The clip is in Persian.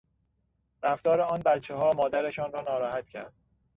رفتار آن بچهها مادرشان را ناراحت کرد.